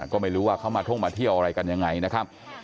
ก็ไม่รู้ว่าเขามาท่องมาเที่ยวอะไรกันยังไงนะครับ